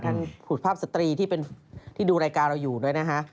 ทางผูดภาพสตรีที่ดูรายการเราอยู่ด้วยนะคะ